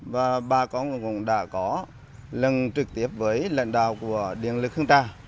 và bà con cũng đã có lần trực tiếp với lãnh đạo của điện lực hương trà